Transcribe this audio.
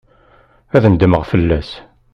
Ad nedmeɣ fell-as.